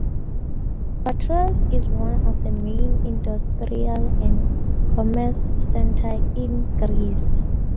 Patras is one of the main industrial and commerce centers in Greece.